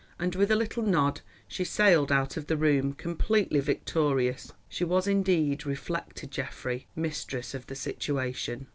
And with a little nod she sailed out of the room, completely victorious. She was indeed, reflected Geoffrey, "mistress of the situation."